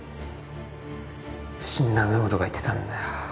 死んだ梅本が言ってたんだ。